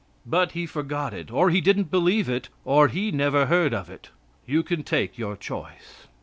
But he forgot it. Or he didn't believe it. Or he never heard of it. You can take your choice.